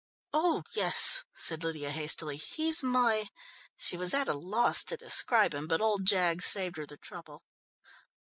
"Oh, yes," said Lydia hastily, "he's my " She was at a loss to describe him, but old Jaggs saved her the trouble.